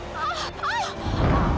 ya tuhan percaya